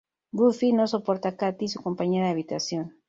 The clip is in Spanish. Buffy no soporta a Kathie, su compañera de habitación.